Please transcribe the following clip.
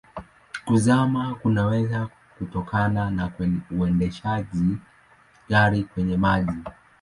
Kuzama kunaweza kutokana na kuendesha gari kwenye maji.